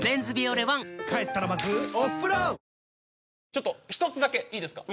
ちょっと一つだけいいですか。